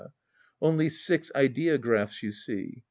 Only six ideographs, you see.